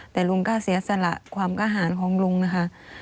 แต่ลุงก็เสียสละความกล้าหารของลุงนะคะ